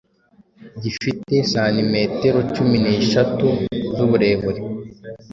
gifite santimetero cumi nesheshatu z’ uburebure